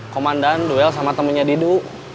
komandan duel sama temennya didu